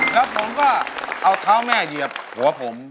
แล้วผมก็เอาเท้าแม่เหยียบหัวผม